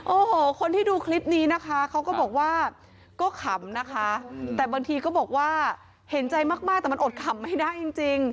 โอ้โหคนที่ดูคลิปนี้นะคะเขาก็บอกว่าก็ขำนะคะแต่บางทีก็บอกว่าเห็นใจมากแต่มันอดขำไม่ได้จริง